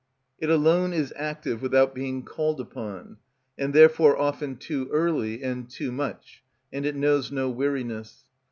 It alone is active without being called upon, and therefore often too early and too much, and it knows no weariness.